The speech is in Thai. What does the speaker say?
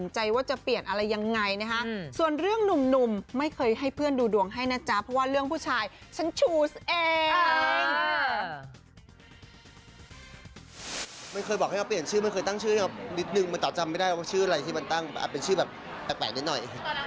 จำไม่ได้ว่าชื่ออะไรที่มันตั้งอาจเป็นชื่อแบบแตกนิดหน่อย